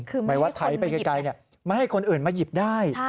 หมายว่าไถไปไกลไม่ให้คนอื่นมาหยิบได้